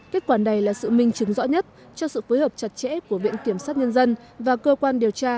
kết quả này là sự minh chứng rõ nhất cho sự phối hợp chặt chẽ của viện kiểm sát nhân dân và cơ quan điều tra